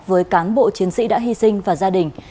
với cán bộ chiến sĩ đã hy sinh và gia đình